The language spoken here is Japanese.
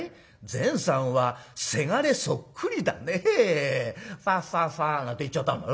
善さんはせがれそっくりだねえファファファ』なんて言っちゃったんだ。